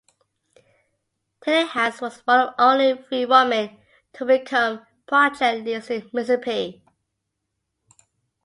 Tillinghast was one of only three women to become project leads in Mississippi.